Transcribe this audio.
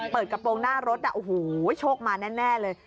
กระโปรงหน้ารถโอ้โหโชคมาแน่เลย